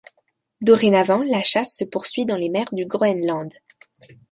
Dorénavant la chasse se poursuit dans les mers du Groenland.